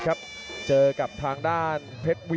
สวัสดิ์นุ่มสตึกชัยโลธสวัสดิ์